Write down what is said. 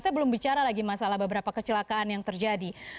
saya belum bicara lagi masalah beberapa kecelakaan yang terjadi